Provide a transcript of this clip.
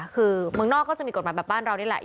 คือเมืองนอกก็จะมีกฎหมายแบบบ้านเรานี่แหละ